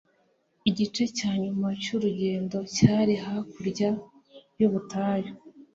Igice cya nyuma cyurugendo cyari hakurya yubutayu.